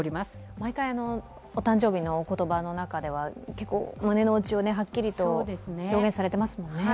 毎回、お誕生日のおことばの中では結構、胸のうちをはっきりと表現されてますもんね。